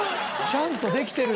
ちゃんとしてる！